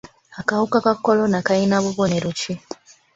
Akawuka ka kolona kalina bubonero ki?